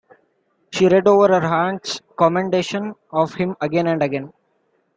She read over her aunt's commendation of him again and again.